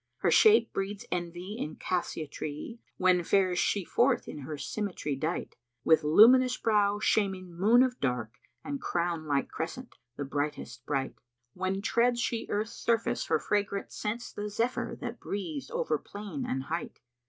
Her shape breeds envy in Cassia tree * When fares she forth in her symmetry dight: With luminous brow shaming moon of dark * And crown like crescent the brightest bright. When treads she earth's surface her fragrance scents * The Zephyr that breathes over plain and height."